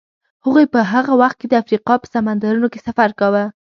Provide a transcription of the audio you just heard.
هغوی په هغه وخت کې د افریقا په سمندرونو کې سفر کاوه.